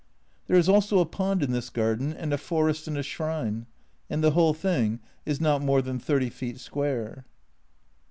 There is also a pond in this garden, and a forest and a shrine, and the whole thing is not more than 30 feet square.